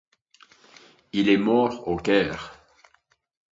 Il est mort au Caire.